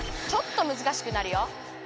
ちょっとむずかしくなるよ。